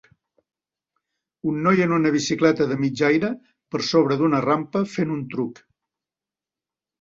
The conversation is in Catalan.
Un noi en una bicicleta de mig aire per sobre d'una rampa, fent un truc.